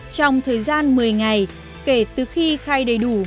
trong thời gian một mươi ngày kể từ khi khai đầy đủ